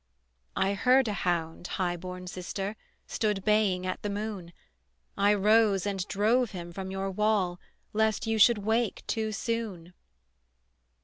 "I heard a hound, high born sister, Stood baying at the moon: I rose and drove him from your wall Lest you should wake too soon."